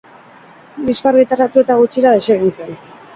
Diskoa argitaratu eta gutxira desegin zen.